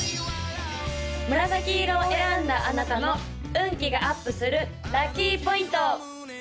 紫色を選んだあなたの運気がアップするラッキーポイント！